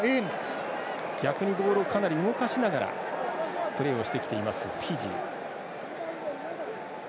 逆にボールをかなり動かしながらプレーをしてきていますフィジー。